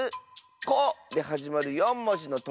「コ」ではじまる４もじのとりだよ！